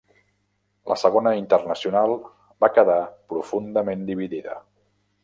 La Segona Internacional va quedar profundament dividida.